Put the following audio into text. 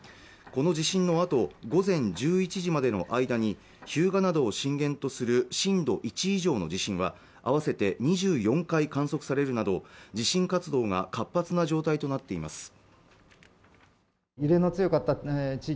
この地震のあと午前１１時までの間に日向灘などを震源とする震度１以上の地震は合わせて２４回観測されるなど地震活動が活発な状態となっています